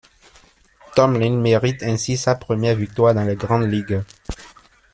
Tomlin mérite ainsi sa première victoire dans les grandes ligues.